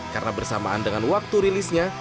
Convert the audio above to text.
karena bersamaan dengan waktu rilisnya